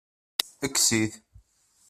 Kkes-it.